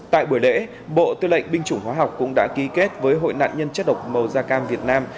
tại buổi lễ bộ tư lệnh binh chủng hóa học cũng đã ký kết với hội nạn nhân chất độc màu da cam việt nam